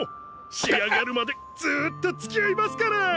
仕上がるまでずっとつきあいますから！